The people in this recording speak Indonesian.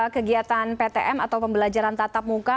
kegiatan ptm atau pembelajaran tatap muka